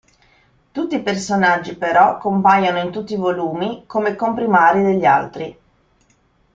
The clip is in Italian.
Tutti i personaggi però compaiono in tutti i volumi come comprimari degli altri.